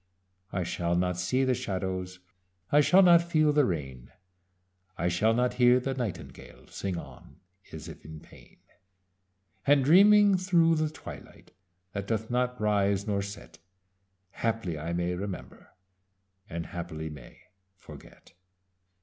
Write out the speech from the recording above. "I shall not see the shadows. I shall not feel the rain. I shall not hear the nightingale Sing on, as if in pain: And dreaming through the twilight That doth not rise nor set, Haply I may remember, And haply may forget."